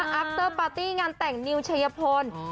อัพเตอร์ปาร์ตี้งานแต่งนิวชัยพล